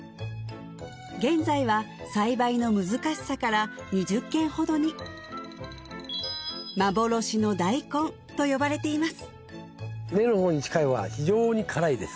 現在は栽培の難しさから２０軒ほどに幻の大根と呼ばれています